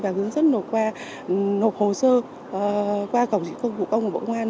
và hướng dẫn nộp hồ sơ qua cổng dịch vụ công của bộ ngoan